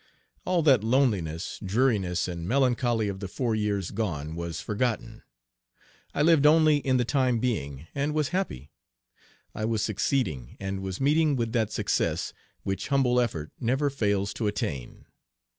All that loneliness, dreariness, and melancholy of the four years gone was forgotten. I lived only in the time being and was happy. I was succeeding, and was meeting with that success which humble effort never fails to attain.